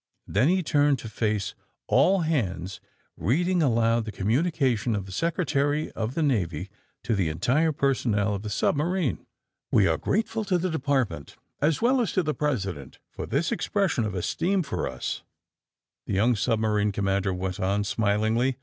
Then he turned to face all hands, reading aloud the communication of the Secretary of the Navy to the entire personnel of the submarine. ^^We are grateful to the Department, as well as to the President for this expression of esteem for us," the young submarine commander went on, smilingly.